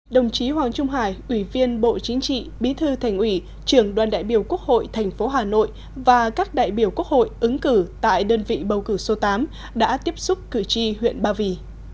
đồng chí hoàng trung hải ủy viên bộ chính trị bí thư thành ủy trưởng đoàn đại biểu quốc hội thành phố hà nội và các đại biểu quốc hội ứng cử tại đơn vị bầu cử số tám đã tiếp xúc cử tri huyện ba vì